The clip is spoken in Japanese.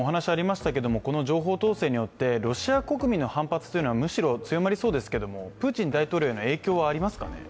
この情報統制によってロシア国民の反発っていうのはむしろ強まりそうですけれどもプーチン大統領への影響はありますか。